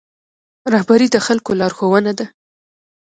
رهبري د خلکو لارښوونه ده